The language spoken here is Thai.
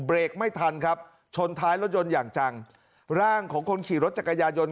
เบรกไม่ทันครับชนท้ายรถยนต์อย่างจังร่างของคนขี่รถจักรยานยนต